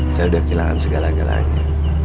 saya sudah kehilangan segala galanya